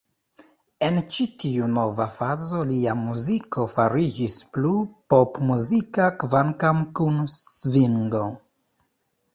En ĉi-tiu nova fazo lia muziko fariĝis plu popmuzika, kvankam kun svingo.